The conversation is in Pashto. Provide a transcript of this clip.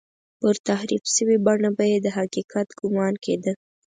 پر تحریف شوې بڼه به یې د حقیقت ګومان کېده.